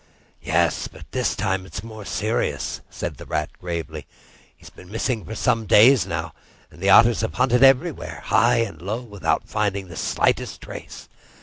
"Yes; but this time it's more serious," said the Rat gravely. "He's been missing for some days now, and the Otters have hunted everywhere, high and low, without finding the slightest trace.